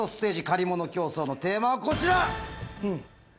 借り物競争のテーマはこちら！